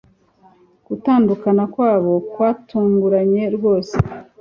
Gutandukana kwabo kwatunguranye rwose.